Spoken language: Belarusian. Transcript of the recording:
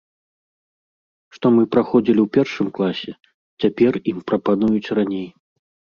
Што мы праходзілі ў першым класе, цяпер ім прапануюць раней.